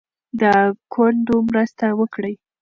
د کونډو مرسته وکړئ.